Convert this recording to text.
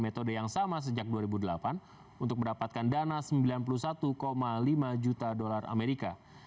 metode yang sama sejak dua ribu delapan untuk mendapatkan dana sembilan puluh satu lima juta dolar amerika